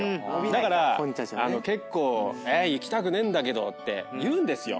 だから結構「行きたくねえんだけど」って言うんですよ。